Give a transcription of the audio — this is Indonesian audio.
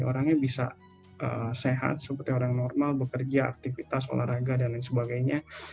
orangnya bisa sehat seperti orang normal bekerja aktivitas olahraga dan lain sebagainya